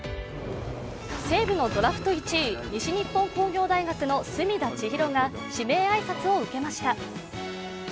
西武のドラフト１位西日本工業大学の隅田知一郎が指名挨拶を受けました。